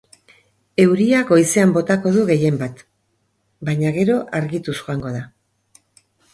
Euria goizean botako du, gehien bat, baina gero argituz joango da.